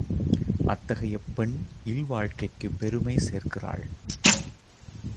அத்தகைய பெண் இல்வாழ்க்கைக்குப் பெருமை சேர்க்கிறாள்.